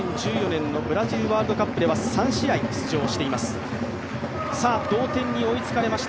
２０１４年のブラジルワールドカップでは３試合出場しています。